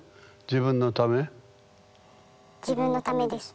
自分のためです。